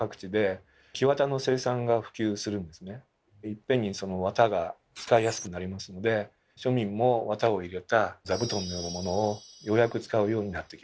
いっぺんに綿が使いやすくなりますので庶民も綿を入れた座布団のようなものをようやく使うようになってきます。